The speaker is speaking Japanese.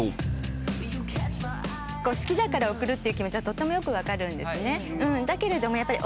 好きだから送るっていう気持ちはとてもよく分かるんですね。